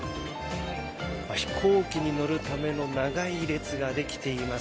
飛行機に乗るための長い列ができています。